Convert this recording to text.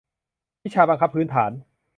วิชาบังคับพื้นฐาน